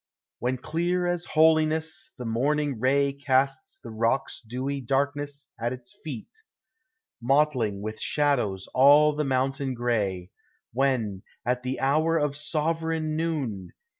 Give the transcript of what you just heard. When clear as holiness the morning ray Casts the rock's dewy darkness at its feet, Mottling with shadows all the mountain gray; When, at the hour of sovereign noon.